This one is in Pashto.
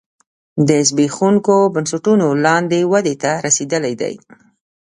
د زبېښونکو بنسټونو لاندې ودې ته رسېدلی دی